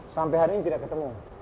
sampai hari ini tidak ketemu